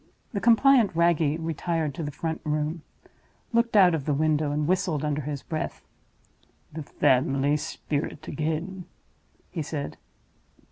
The compliant Wragge retired to the front room; looked out of the window; and whistled under his breath. "The family spirit again!" he said.